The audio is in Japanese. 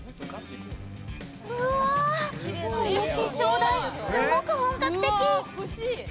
うわ、この化粧台すごく本格的！